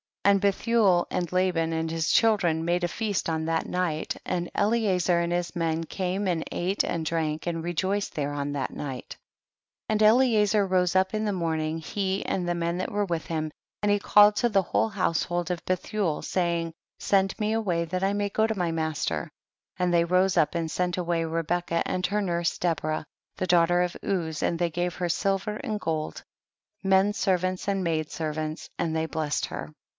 41. And Bethuel and Laban and his children made a feast on that night, and Eliezer and his men came and ate and drank and rejoiced there on that night. 42. And Eliezer rose up in the morning, he and the men that were with him, and he called to the whole household of Bethuel, saying, send me away that I may go to my mas ter ; and.they roseup and sent away Rebecca and her nurse Deborah, the daughter of Uz, and they gave her silver and gold, men servants and maid servants, and they blessed her.